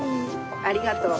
ありがとう。